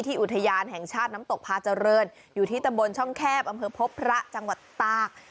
อุทยานแห่งชาติน้ำตกพาเจริญอยู่ที่ตำบลช่องแคบอำเภอพบพระจังหวัดตาก